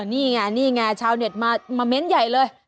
นี่ไงนี่ไงชาวเน็ตมาเม้นต์ใหญ่เลย